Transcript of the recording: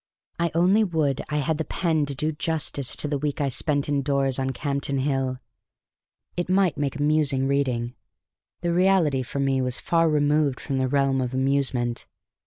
I only would I had the pen to do justice to the week I spent in doors on Campden Hill! It might make amusing reading; the reality for me was far removed from the realm of amusement.